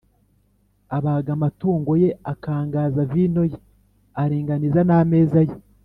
abaga amatungo ye, akangaza vino ye, aringaniza n’ameza ye